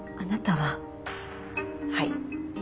はい。